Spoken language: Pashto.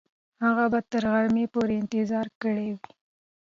هغه به تر غرمې پورې انتظار کړی وي.